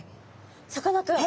さかなクン